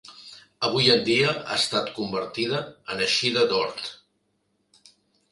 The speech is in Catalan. Avui en dia ha estat convertida en eixida d'hort.